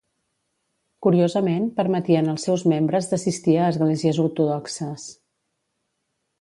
Curiosament, permetien els seus membres d'assistir a esglésies ortodoxes.